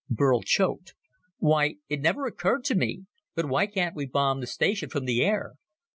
Burl choked. "Why, it never occurred to me, but why can't we bomb the station from the air?